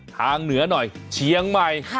เหนือหน่อยเชียงใหม่